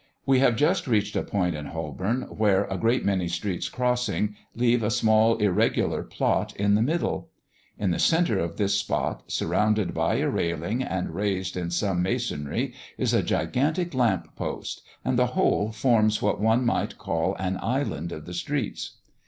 We have just reached a point in Holborn where, a great many streets crossing, leave a small, irregular spot, in the middle. In the centre of this spot, surrounded by a railing, and raised in some masonry, is a gigantic lamp post, and the whole forms what one might call an island of the streets.